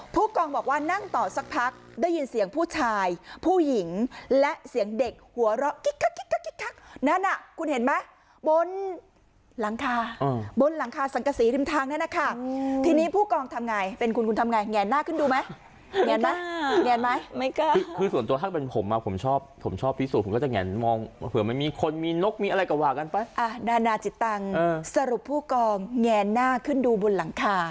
ผู้กองบอกว่านั่งต่อสักพักได้ยินเสียงผู้ชายผู้หญิงและเสียงเด็กหัวเราะคิกค่ะ